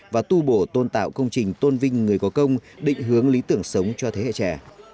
và tu bổ tôn tạo công trình tôn vinh người có công định hướng lý tưởng sống cho thế hệ trẻ